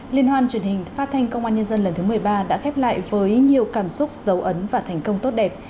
liên hoan truyền hình phát thanh công an nhân dân lần thứ một mươi ba đã khép lại với nhiều cảm xúc dấu ấn và thành công tốt đẹp